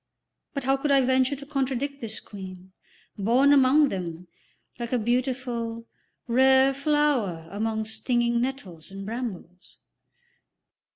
But how could I venture to contradict this Queen, born among them, like a beautiful, rare flower among stinging nettles and brambles?